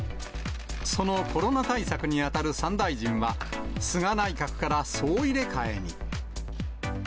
そのコロナ対策に当たる３大臣は、菅内閣から総入れ替えに。